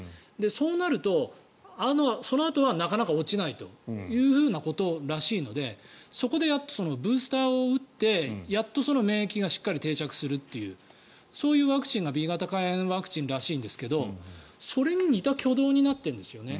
そうなるとそのあとはなかなか落ちないということらしいのでそこでやっとブースターを打ってやっと免疫がしっかり定着するというそういうワクチンがＢ型肝炎ワクチンらしいんですけどそれに似た挙動になっているんですよね。